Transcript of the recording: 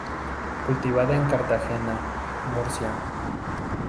Cultivada en Cartagena Murcia.